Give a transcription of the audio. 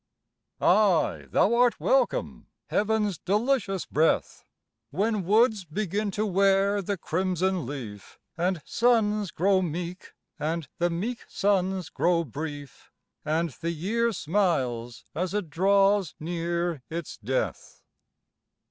Ay, thou art welcome, heaven's delicious breath, When woods begin to wear the crimson leaf, And suns grow meek, and the meek suns grow brief, And the year smiles as it draws near its death.